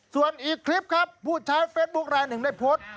ส่วนอีกคลิปครับผู้ใช้เฟซบุ๊คลายหนึ่งได้โพสต์